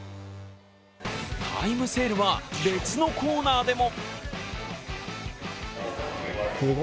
タイムセールは別のコーナーでも。